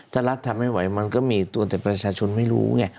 ถ้ารัฐทำไม่ไหวมันก็มีตัวแต่ประชาชนไม่รู้ไง